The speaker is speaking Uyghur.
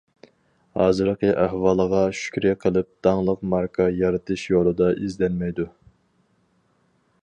ھازىرقى ئەھۋالىغا شۈكرى قىلىپ داڭلىق ماركا يارىتىش يولىدا ئىزدەنمەيدۇ.